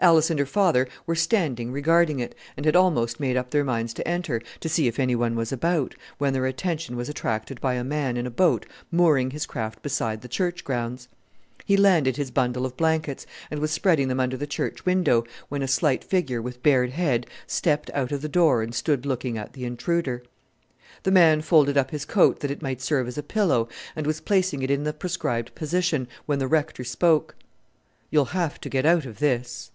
Alice and her father were standing regarding it, and had almost made up their minds to enter, to see if any one was about, when their attention was attracted by a man in a boat mooring his craft beside the church grounds. He landed his bundle of blankets, and was spreading them under the church window, when a slight figure with bared head stepped out of the door and stood looking at the intruder. The man folded up his coat that it might serve as a pillow, and was placing it in the prescribed position, when the Rector spoke. "You'll have to get out of this."